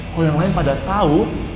kalo yang lain pada tau